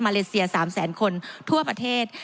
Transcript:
เลเซีย๓แสนคนทั่วประเทศ